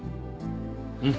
うん。